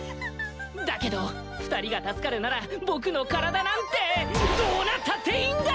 だけど２人が助かるなら僕の体なんてどうなったっていいんだ！